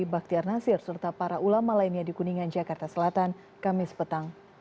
baktiar nasir serta para ulama lainnya di kuningan jakarta selatan kamis petang